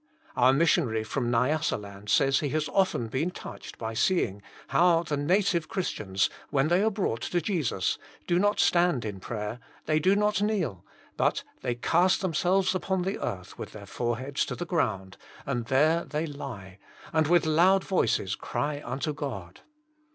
Our missionary from Nyassaland sajfs he has often been touched by seeing how the native Christians, when they are brought to Jesus, do not stand in prayer; they do not kneel; but they cast themselves upon the earth with their foreheads to the ground, and there they lie, and with loud voices cry unto Grod.